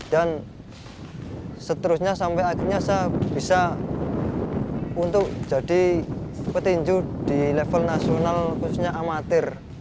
dan seterusnya sampai akhirnya saya bisa untuk jadi petinju di level nasional khususnya amatir